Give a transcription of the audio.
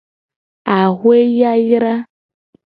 Axwe yayra.